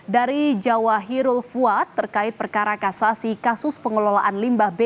dari jawa hirul fuad terkait perkara kasasi kasus pengelolaan limbah b